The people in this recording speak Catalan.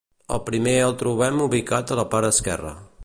El primer el trobem ubicat a la part esquerra.